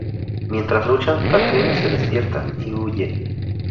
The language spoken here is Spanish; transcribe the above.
Mientras luchan, Katrina se despierta y huye.